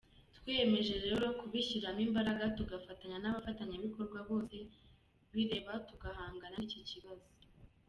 Twiyemeje rero kubishyiramo imbaraga tugafatanya n’abafatanyabikorwa bose bireba tugahangana n’iki kibazo.